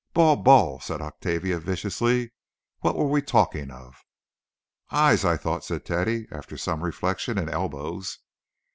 "Ball—ball," said Octavia, viciously. "What were we talking of?" "Eyes, I thought," said Teddy, after some reflection; "and elbows."